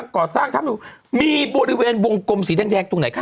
ก่อสร้างธรรมนูมีบริเวณวงกลมสีแดงตรงไหนคะ